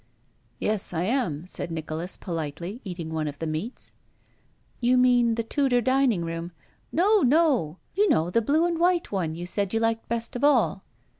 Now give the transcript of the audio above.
"Yes, I am," said Nicholas, politely, eating one of the meats. You mean the Tudor dining room —" No, no ! You know, the blue and white one you said you liked best of all."